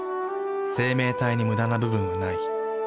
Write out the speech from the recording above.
生命体にムダな部分はない。